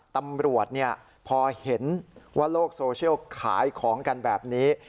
ตำรวจพอเห็นว่าโลกโซเชียลขายของกันแบบนี้